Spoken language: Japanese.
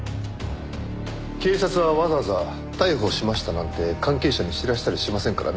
警察はわざわざ「逮捕しました」なんて関係者に知らせたりしませんからね。